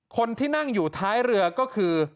คนที่นั่งอยู่ท้ายเรือก็คือ